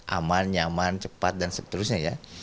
aman nyaman cepat dan seterusnya ya